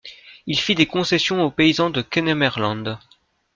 Il fit des concessions aux paysans de Kennemerland.